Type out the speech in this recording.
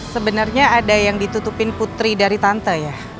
sebenarnya ada yang ditutupin putri dari tante ya